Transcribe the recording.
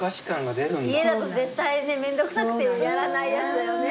家だと絶対めんどくさくてやらないやつだよね。